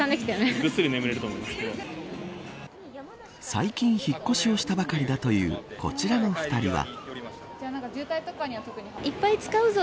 最近、引っ越しをしたばかりだというこちらの２人は。